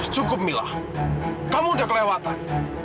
cukup mila kamu udah kelewatan